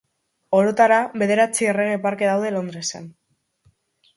Orotara, bederatzi Errege Parke daude Londresen.